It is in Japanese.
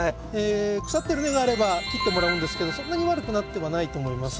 腐ってる根があれば切ってもらうんですけどそんなに悪くなってはないと思います。